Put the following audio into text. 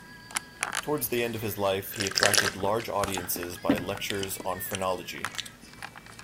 Towards the end of his life he attracted large audiences by lectures on phrenology.